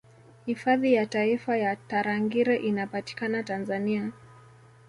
Hifadhi ya Taifa ya Tarangire inapatikana Tanzania